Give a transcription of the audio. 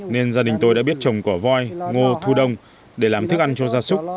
nên gia đình tôi đã biết trồng cỏ voi ngô thu đông để làm thức ăn cho gia súc